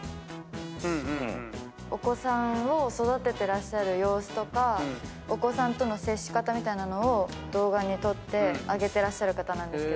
お子さんを育ててらっしゃる様子とかお子さんとの接し方みたいなのを動画に撮って上げてらっしゃる方なんですけど。